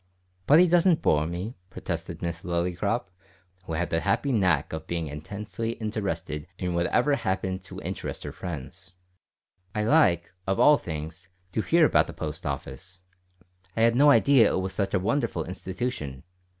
"But he doesn't bore me," protested Miss Lillycrop, who had the happy knack of being intensely interested in whatever happened to interest her friends. "I like, of all things, to hear about the Post Office. I had no idea it was such a wonderful institution.